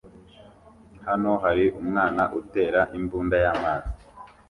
Hano hari umwana utera imbunda y'amazi